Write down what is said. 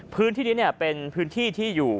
พื้นที่นี้เป็นพื้นที่ที่อยู่